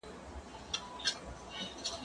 زه پرون کتابونه ليکم؟